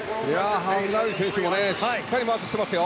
ハフナウイ選手もしっかりマークしています。